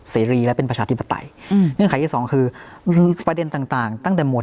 สิริและเป็นประชาวฤฏิบัติเนื่องข่ายที่สองคือประเด็นต่างตั้งแต่หมวด๑